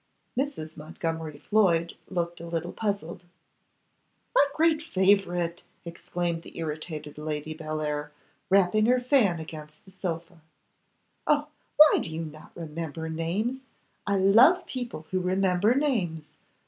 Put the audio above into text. Mrs. Montgomery Floyd looked a little puzzled: 'My great favourite!' exclaimed the irritated Lady Bellair, rapping her fan against the sofa. 'Oh! why do you not remember names! I love people who remember names.